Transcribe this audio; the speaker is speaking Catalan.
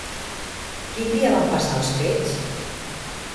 Quin dia van passar els fets?